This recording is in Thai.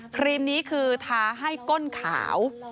ครีมนี้คือทาให้ก้นขาว